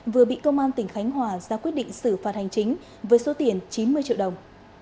vừa bị công an tỉnh khánh hòa ra quyết định xử phạt hành chính với số tiền chín mươi triệu đồng